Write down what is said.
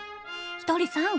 ひとりさん